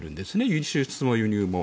輸出も輸入も。